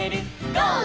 ゴー！」